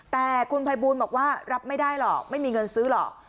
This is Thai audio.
แต่คุณภัยบูลบอกว่ารับไม่ได้หรอกไม่มีเงินซื้อหรอก